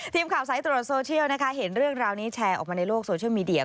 ทีมข่าวสายตรวจโซเชียลนะคะเห็นเรื่องราวนี้แชร์ออกมาในโลกโซเชียลมีเดีย